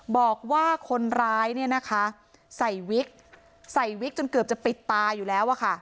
บอกว่าคนร้ายเนี่ยนะคะใส่วิกใส่วิกจนเกือบจะปิดตาอยู่แล้วอะค่ะ